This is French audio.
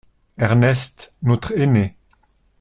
Ernest, notre aîné.